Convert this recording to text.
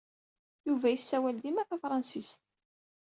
Yuba yessawal dima tafṛensist.